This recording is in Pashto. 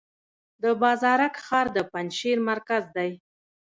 د بازارک ښار د پنجشیر مرکز دی